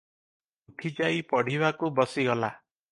ଉଠି ଯାଇ ପଢ଼ିବାକୁ ବସିଗଲା।